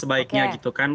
sebaiknya gitu kan